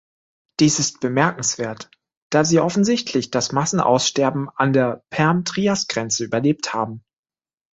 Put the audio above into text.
Dies ist bemerkenswert, da sie offensichtlich das Massenaussterben an der Perm-Trias-Grenze überlebt haben.